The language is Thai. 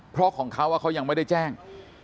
เพราะของเขาเขายังไม่ได้แจ้ง